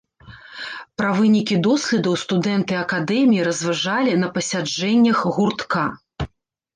Пра вынікі доследаў студэнты акадэміі разважалі на пасяджэннях гуртка.